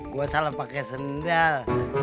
gue salah pakai sendal